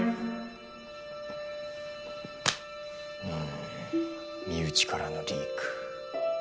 うん身内からのリーク。